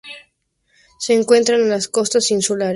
Se encuentran en las costas insulares del Mar Caribe.